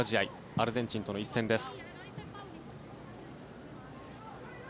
アルゼンチンとの一戦です。